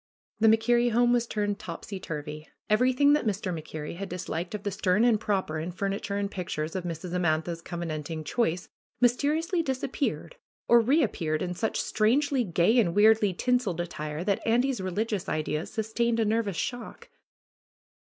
The MacKerrie home was turned topsy turvy. Every thing that Mr. MacKerrie had disliked of the stern and proper in furniture and pictures of Mrs. Amantha's covenanting choice mysteriously disappeared or reap peared in such strangely gay and weirdly tinseled attire that Andy's religious ideas sustained a nervous shock.